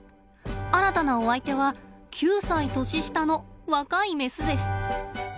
新たなお相手は９歳年下の若いメスです。